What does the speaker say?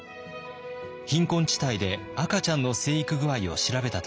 貧困地帯で赤ちゃんの成育具合を調べた時のこと。